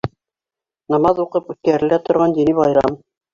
Намаҙ уҡып үткәрелә торған дини байрам.